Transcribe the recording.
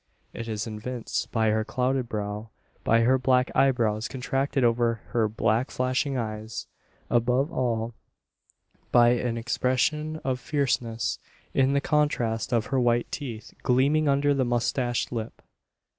It is evinced by her clouded brow; by her black eyebrows contracted over her black flashing eyes; above all, by an expression of fierceness in the contrast of her white teeth gleaming under the moustached lip.